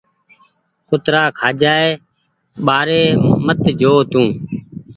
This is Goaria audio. ڪُترآ کآجآئي ٻآري مت جو تونٚ